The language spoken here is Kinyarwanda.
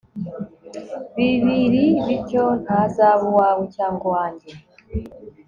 bibiri bityo ntazaba uwawe cyangwa uwange